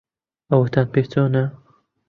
ئەوەتان پێ چۆنە؟